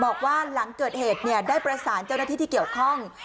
บอกว่าหลังเกิดเหตุได้ประสานเจ้าหน้าที่ที่เกี่ยวข้อง